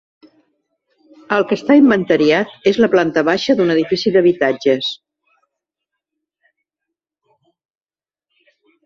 El que està inventariat és la planta baixa d'un edifici d'habitatges.